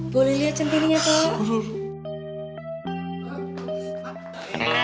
boleh lihat cantiknya pak